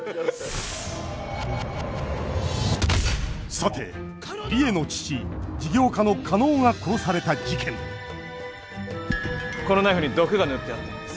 さて梨江の父事業家の加納が殺された事件このナイフに毒が塗ってあったんです。